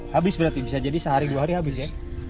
habis berarti bisa jadi sehari dua hari habis ya